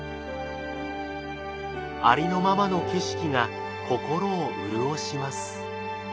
ありのままの景色が心を潤します。